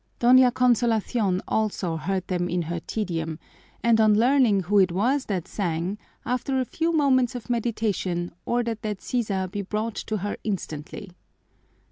Doña Consolacion also heard them in her tedium, and on learning who it was that sang, after a few moments of meditation, ordered that Sisa be brought to her instantly.